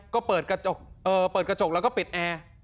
ก็เปิดกระจกแล้วก็ปิดแอร์